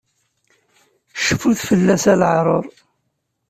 Cfut fell-as a leɛrur!